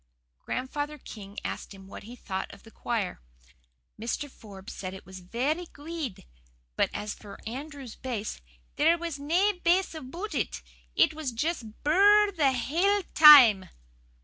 Grandfather King asked him what he thought of the choir. Mr. Forbes said it was 'verra guid,' but as for Andrew's bass, 'there was nae bass aboot it it was just a bur r r r the hale time.